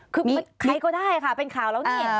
คือใครก็ได้ค่ะเป็นข่าวแล้วนี่